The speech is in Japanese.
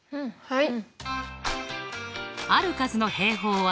はい。